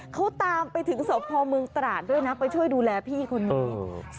เขาตามไปถึงสพเมืองตราดด้วยนะไปช่วยดูแลพี่คนนี้